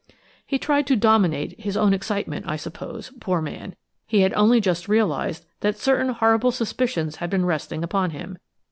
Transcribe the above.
He tried to dominate his own excitement. I suppose, poor man, he had only just realised that certain horrible suspicions had been resting upon him.